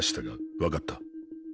分かった？